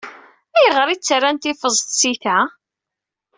Ayeɣer i ttarrant ifeẓ tsita?